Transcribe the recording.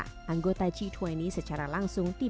dan badan pemerintah indonesia